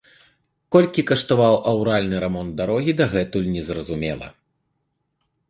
Колькі каштаваў аўральны рамонт дарогі, дагэтуль незразумела.